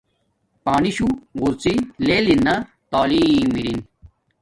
پانی شو غورڅی لیل اِراین تعلیم اری